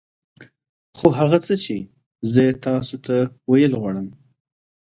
خو هغه څه چې زه يې تاسو ته ويل غواړم.